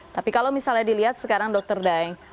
tapi kalau misalnya dilihat sekarang dr daeng